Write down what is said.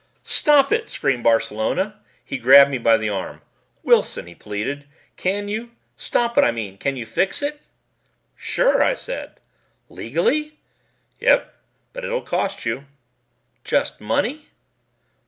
"Stop it!" screamed Barcelona. He grabbed me by the arm. "Wilson," he pleaded, "Can you? Stop it, I mean? Can you fix it?" "Sure," I said. "Legally?" "Yep. But it'll cost you." "Just money?"